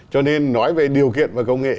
cho nên nói về điều kiện và công nghệ